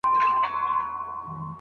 وئيل يې بس تسنيمه ! خوشبويۍ ترې راخوريږي